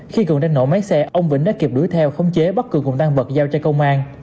khi cường đến nổ máy xe ông vĩnh đã kịp đuổi theo không chế bắt cường cùng tăng vật giao cho công an